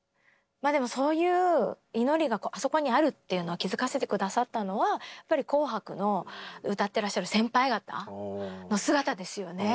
そういう祈りがあそこにあるっていうのを気付かせて下さったのは「紅白」の歌ってらっしゃる先輩方の姿ですよね。